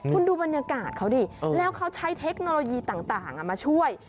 คุณดูบรรยากาศเขาดิแล้วเขาใช้เทคโนโลยีต่างมาช่วย